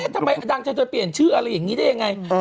ทำไมดังเธอจะเปลี่ยนชื่ออะไรอย่างนี้ได้ยังไง